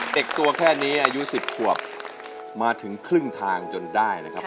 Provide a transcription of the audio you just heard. ตัวแค่นี้อายุ๑๐ขวบมาถึงครึ่งทางจนได้นะครับ